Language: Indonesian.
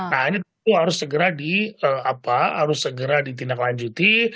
nah ini tentu harus segera ditindaklanjuti